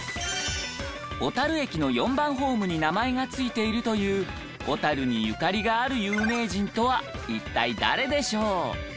小樽駅の４番ホームに名前が付いているという小樽にゆかりがある有名人とは一体誰でしょう？